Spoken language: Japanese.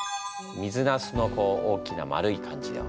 水なすのこう大きな丸い感じを。